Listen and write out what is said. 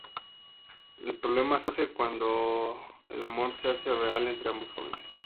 El problema surge cuando el amor se hace real entre ambos jóvenes.